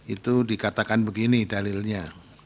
itu dikatakan begini dalilnya